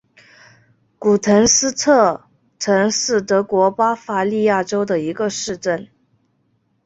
古滕斯特滕是德国巴伐利亚州的一个市镇。